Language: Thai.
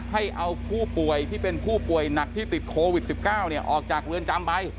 ให้เอาผู้ป่วยที่เป็นผู้ป่วยหนักที่ติดโควิด๑๙ออกจากเรือนจำไป